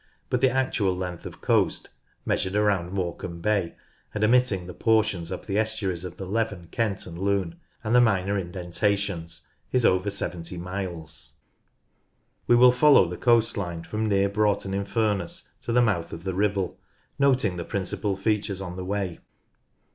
But the actual length of coast, measured around Morecambe Bay, and omitting the por tions up the estuaries of the Leven, Kent, and Lune, and the minor indentations, is over 70 miles. 40 NORTH LANCASHIRE We will follow the coast line from near Broughton in Furness to the mouth of the Ribble, noting the prin cipal features on the way.